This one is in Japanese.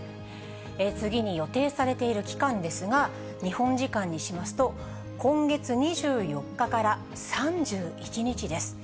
次に予定されている期間ですが、日本時間にしますと、今月２４日から３１日です。